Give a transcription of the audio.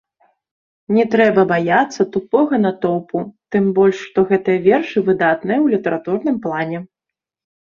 Не трэба баяцца тупога натоўпу, тым больш, што гэтыя вершы выдатныя ў літаратурным плане.